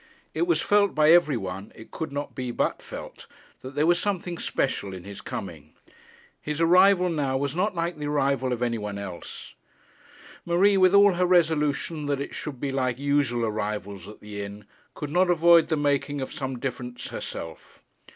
It was felt by every one it could not be but felt that there was something special in his coming. His arrival now was not like the arrival of any one else. Marie, with all her resolution that it should be like usual arrivals at the inn, could not avoid the making of some difference herself.